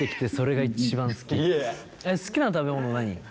好きな食べ物何？